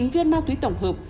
một mươi viên ma túy tổng hợp